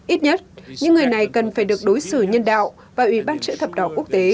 ít nhất những người này cần phải được đối xử nhân đạo và ủy ban chữ thập đỏ quốc tế